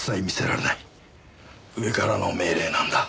上からの命令なんだ。